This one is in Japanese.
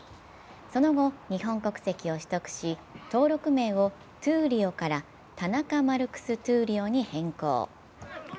その後、日本国籍を取得し登録名をトゥーリオから田中マルクス闘莉王に変更。